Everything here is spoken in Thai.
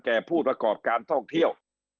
ผู้ประกอบการท่องเที่ยว